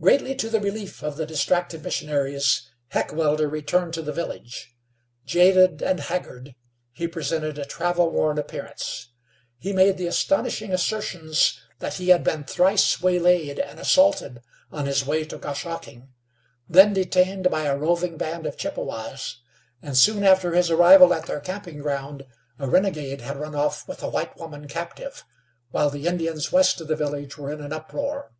Greatly to the relief of the distracted missionaries, Heckewelder returned to the village. Jaded and haggard, he presented a travel worn appearance. He made the astonishing assertions that he had been thrice waylaid and assaulted on his way to Goshocking; then detained by a roving band of Chippewas, and soon after his arrival at their camping ground a renegade had run off with a white woman captive, while the Indians west of the village were in an uproar.